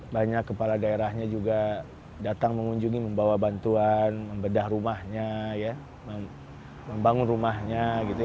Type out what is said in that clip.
banyak kepala daerahnya juga datang mengunjungi membawa bantuan membedah rumahnya membangun rumahnya